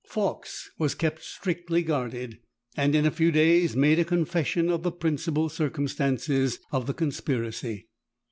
Fawkes was kept strictly guarded; and in a few days made a confession of the principal circumstances of the conspiracy.